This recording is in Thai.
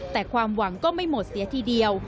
แต่ความหวังก็ไม่หมดเสียทีเดียว